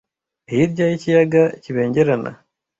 Hirya y'ikiyaga kibengerana,